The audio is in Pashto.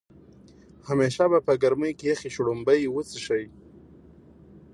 همیشه په ګرمۍ کې يخې شړومبۍ وڅښئ